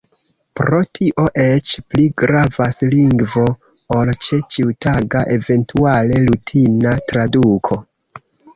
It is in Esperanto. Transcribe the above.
Pro tio eĉ pli gravas lingvo ol ĉe ĉiutaga, eventuale rutina traduko.